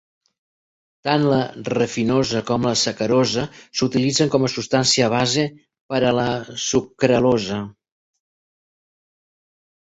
Tant la rafinosa com la sacarosa s'utilitzen com a substància base per a la sucralosa.